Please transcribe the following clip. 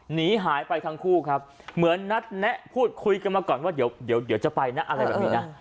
หนีหายไปทั้งคู่ครับเหมือนนัดแนะพูดคุยกันมาก่อนว่าเดี๋ยวจะไปนะอะไรแบบนี้นะ